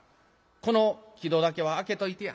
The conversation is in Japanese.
この木戸だけは開けといてや」。